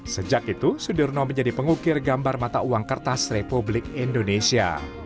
sejak itu sudirno menjadi pengukir gambar mata uang kertas republik indonesia